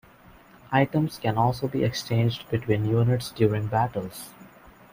Items can also be exchanged between units during battles.